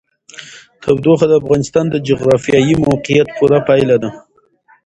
تودوخه د افغانستان د جغرافیایي موقیعت پوره پایله ده.